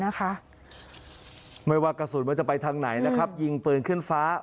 นะคะไม่ว่ากระสุนมันจะไปทางไหนนะครับยิงปืนขึ้นฟ้า